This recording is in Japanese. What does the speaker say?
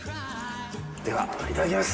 ではいただきます。